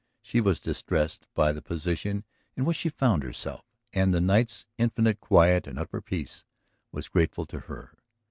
She was distressed by the position in which she found herself, and the night's infinite quiet and utter peace was grateful to her.